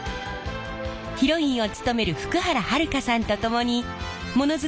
ヒロインを務める福原遥さんと共にモノづくりのまち